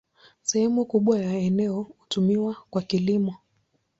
Sehemu kubwa ya eneo hutumiwa kwa kilimo.